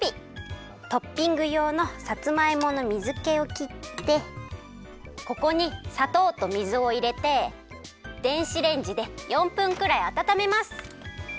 トッピングようのさつまいもの水けをきってここにさとうと水をいれて電子レンジで４分くらいあたためます。